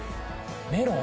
メロン？